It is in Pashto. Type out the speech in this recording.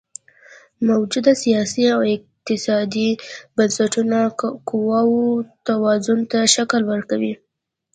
موجوده سیاسي او اقتصادي بنسټونه قواوو توازن ته شکل ورکوي.